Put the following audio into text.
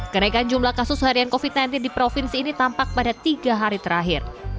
kenaikan jumlah kasus harian covid sembilan belas di provinsi ini tampak pada tiga hari terakhir